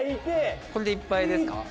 「これでいっぱいですか？」